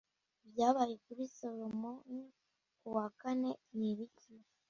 Ibyabaye kuri Soloman Ku wa kane nibiki